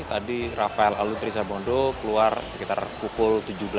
tadi rafael aluntri sambodo keluar sekitar pukul tujuh belas tiga puluh delapan